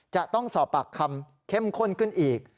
จะต้องสอบปากคำเข้มข้นขึ้นอีก